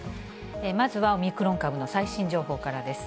まずはオミクロン株の最新情報からです。